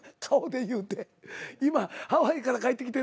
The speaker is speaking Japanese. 今ハワイから帰ってきてんのか。